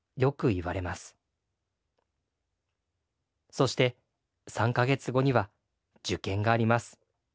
そして３か月後には受験があります。